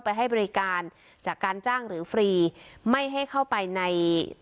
ไปให้บริการจากการจ้างหรือฟรีไม่ให้เข้าไปในกลุ่งผู้ชุมนุมโดยการส่งเจ้า